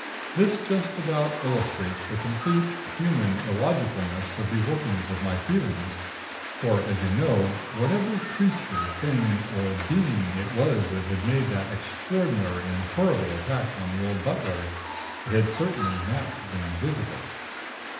This just about illustrates the completely human illogicalness of the workings of my feelings; for, as you know, whatever Creature, Thing, or Being it was that had made that extraordinary and horrible attack on the old butler, it had certainly not been visible.